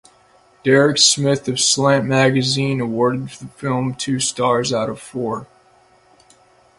Derek Smith of "Slant Magazine" awarded the film two stars out of four.